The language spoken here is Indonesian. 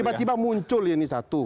tiba tiba muncul ya ini satu